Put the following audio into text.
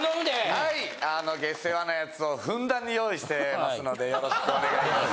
はいあの下世話なやつをふんだんに用意してますのでよろしくお願いいたします。